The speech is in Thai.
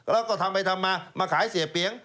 แล้วก็ทำไปทำมามาขายเสียเปียง